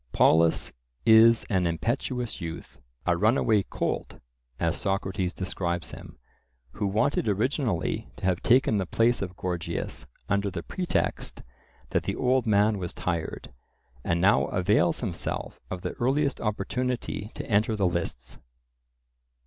Polus is an impetuous youth, a runaway "colt," as Socrates describes him, who wanted originally to have taken the place of Gorgias under the pretext that the old man was tired, and now avails himself of the earliest opportunity to enter the lists.